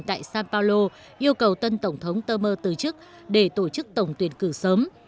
tại sao paulo yêu cầu tân tổng thống temer từ chức để tổ chức tổng tuyển cử sớm